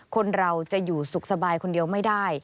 คนเราจะอยู่สุขสบายคนเดียวไม่ได้